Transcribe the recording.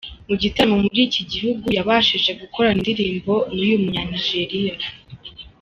mu gitaramo muri iki gihugu yabashije gukorana indirimbo nuyu Munyanijeriya.